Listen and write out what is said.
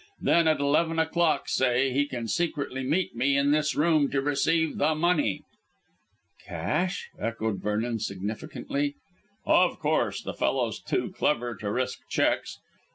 Then, at eleven o'clock, say, he can secretly meet me in this room to receive the money." "Cash?" echoed Vernon significantly. "Of course. The fellow's too clever to risk cheques.